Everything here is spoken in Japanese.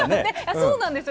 そうなんですよ。